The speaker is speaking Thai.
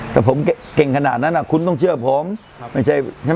แต่ผมเก่งขนาดนั้นอ่ะคุณต้องเชื่อผมไม่ใช่ใช่ไหม